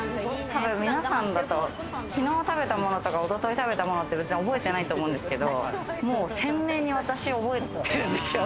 多分、皆さんだと、昨日食べたものとか一昨日食べたものって覚えてないと思うんですけど、鮮明に私覚えてるんですよ。